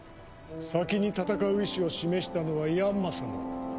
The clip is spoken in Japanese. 先に戦う意志を示したのはヤンマ様。